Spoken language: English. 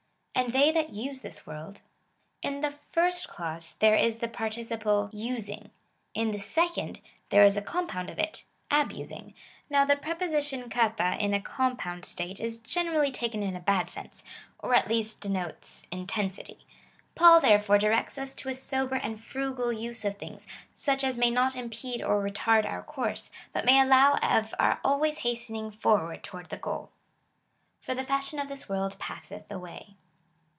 And they that use this world. IwiYie first clause there is the participle '^^pco/xevoi (using,) in the second, there is a com pound of it — KaTa')(p(ji)[xevoi, {abusing^ Now the preposition Kara in a comj)ound state is generally taken in a bad sense, or at least denotes intensity.^ Paul, therefore, directs us to a sober and frugal use of things, such as may not impede or retard our course, but may allow of our always hastening forward toward the goal. For the fashion of this world passeth away.